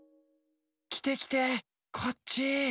きてきてこっち。